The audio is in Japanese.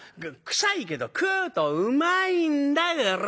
臭いけど食うとうまいんだ。